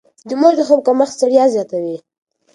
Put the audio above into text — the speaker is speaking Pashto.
د مور د خوب کمښت ستړيا زياتوي.